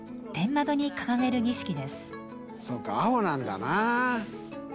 そうか青なんだな。